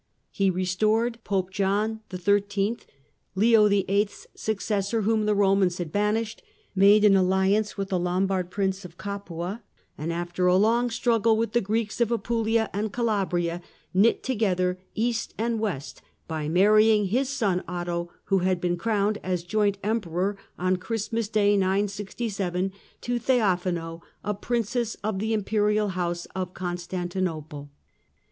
He restored Pope John XIIL, Leo VIIL's successor, whom the Romans had banished, made an alliance with the Lombard prince of Capua, and, after a long struggle with the Greeks of Apulia and Calabria, knit together East and West by marrying his son Otto, who had been crowned as joint Emperor on Christmas day 967, to Theophano, a princess of the imperial house of Constantinople.